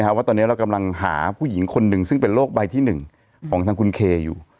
ว่าตอนนี้เรากำลังหาผู้หญิงคนหนึ่งซึ่งเป็นโรคใบที่๑ของทางคุณเคอยู่